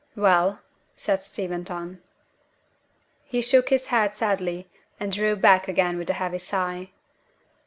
"Well?" said Steventon. He shook his head sadly, and drew back again with a heavy sigh.